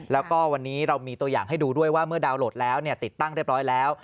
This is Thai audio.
แล้วก็วันนี้เรามีตัวอย่างให้ดูด้วยว่าเมื่อดาวนโหลดแล้วติดตั้งเรียบร้อยแล้ว